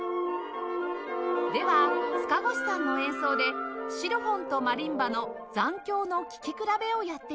では塚越さんの演奏でシロフォンとマリンバの残響の聴き比べをやってみましょう